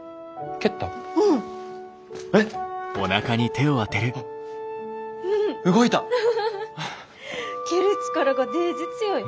蹴る力がデージ強い。